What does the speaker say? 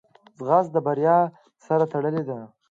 ځغاسته د بریا سره تړلې ده